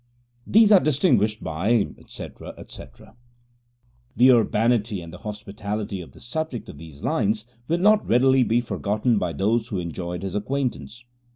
These are distinguished by etc., etc. The urbanity and hospitality of the subject of these lines will not readily be forgotten by those who enjoyed his acquaintance.